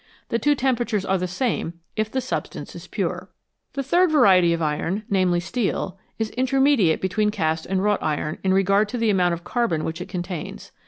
The two temperatures are the same if the substance is pure. The third variety of iron, namely, steel, is intermedi ate between cast and wrought iron in regard to the amount of carbon which it contains.